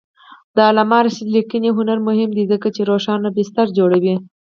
د علامه رشاد لیکنی هنر مهم دی ځکه چې روښانه بستر جوړوي.